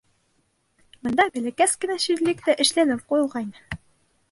Бында бәләкәс кенә ширлек тә эшләнеп ҡуйылғайны.